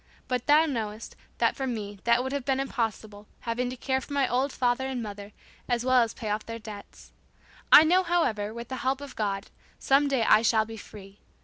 But thou knowest, that for me, that would have been impossible, having to care for my old father and mother, as well as pay off their debts. I know, however, with the help of God, some day I shall be free.